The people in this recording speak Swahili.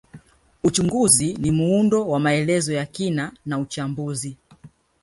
Uchunguzi ni muundo wa maelezo ya kina na uchambuzi